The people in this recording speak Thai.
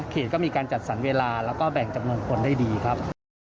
ก็มีการจัดสรรเวลาแล้วก็แบ่งจำนวนคนได้ดีครับ